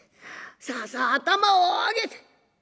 さあさあ頭を上げて」。